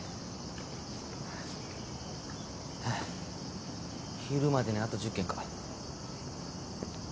昼までにあと１０軒か。